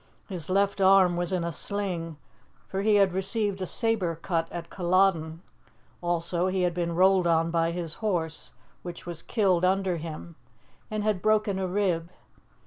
His left arm was in a sling, for he had received a sabre cut at Culloden; also, he had been rolled on by his horse, which was killed under him, and had broken a rib.